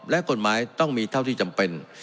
และกฎหมายต้องมีเท่าที่จำเป็น